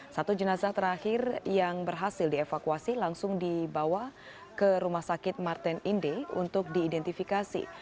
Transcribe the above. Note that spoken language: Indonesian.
satu jenazah terakhir yang berhasil dievakuasi langsung dibawa ke rumah sakit martin inde untuk diidentifikasi